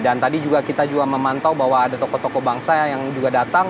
dan tadi juga kita juga memantau bahwa ada toko toko bangsa yang juga datang